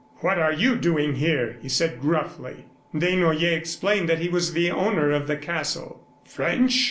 "What are you doing here?" he said gruffly. Desnoyers explained that he was the owner of the castle. "French?"